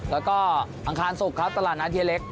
แล้วก็อังคารสุขครับตลาดนาทีเล็ก